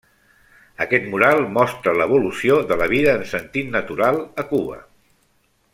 Aquest mural mostra l'evolució de la vida en sentit natural a Cuba.